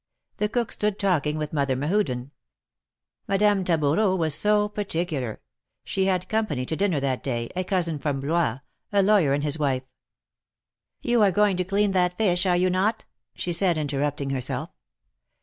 The cook stood talking with Mother Mehuden. Mad ame Taboureau was so particular. She had company to dinner that day — a cousin from Blois — a lawyer and his wife. You are going to clean that fish, are you not?" she said, interrupting herself.